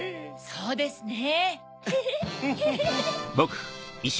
そうですね。